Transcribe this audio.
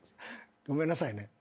ごめんなさいね。